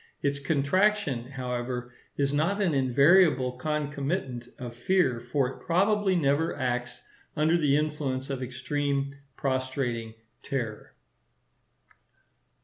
Its contraction, however, is not an invariable concomitant of fear; for it probably never acts under the influence of extreme, prostrating terror.